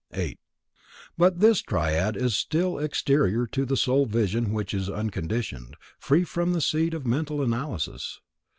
8. But this triad is still exterior to the soul vision which is unconditioned, free from the seed of mental analyses.